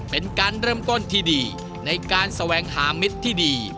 เป็นการเริ่มต้นที่ดีในการแสวงหามิตรที่ดี